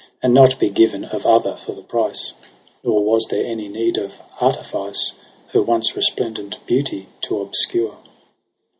And not be given of other for the price ; Nor was there need of any artifice Her once resplendent beauty to obscure.